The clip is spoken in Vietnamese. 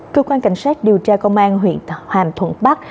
cơ quan cảnh sát điều tra công an huyện hoàn thuận bắc